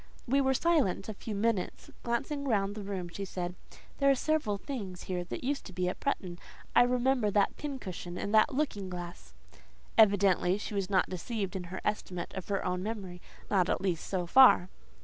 We were silent a few minutes. Glancing round the room she said, "There are several things here that used to be at Bretton! I remember that pincushion and that looking glass." Evidently she was not deceived in her estimate of her own memory; not, at least, so far.